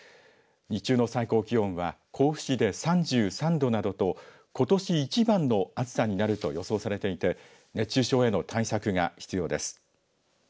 日中の最高気温は甲府市で３３度などとことし一番の暑さになると予想されていて熱中症への対策が必要です。